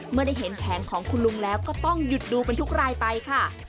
เมื่อได้เห็นแผงของคุณลุงแล้วก็ต้องหยุดดูเป็นทุกรายไปค่ะ